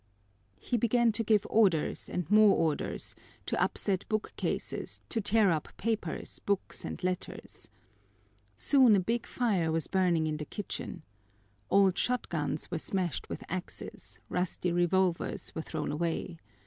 He began to give orders and more orders, to upset bookcases, to tear up papers, books, and letters. Soon a big fire was burning in the kitchen. Old shotguns were smashed with axes, rusty revolvers were thrown away.